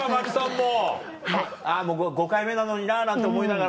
「もう５回目なのにな」なんて思いながら。